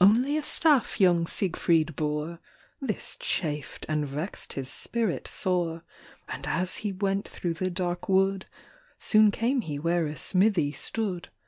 Only a staff young Siegfried bore ; This chafed and vexed his spirit sore. And as he went through the dark wood, Soon came he where a smithy stood.